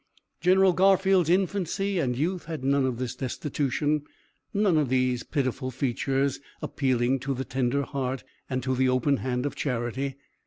General Garfield's infancy and youth had none of this destitution, none of these pitiful features appealing to the tender heart, and to the open hand of charity.